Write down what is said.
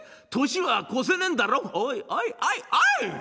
「おいおいおいおい！